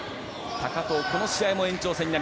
高藤、この試合も延長戦。